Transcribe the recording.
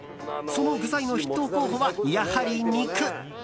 その具材の筆頭候補は、やはり肉。